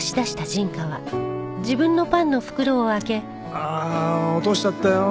ああ落としちゃったよ。